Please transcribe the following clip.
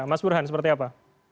mas burhan seperti apa